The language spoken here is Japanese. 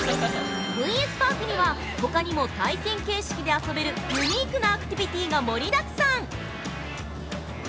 ◆ＶＳＰＡＲＫには、ほかにも対戦形式で遊べるユニークなアクティビティが盛りだくさん。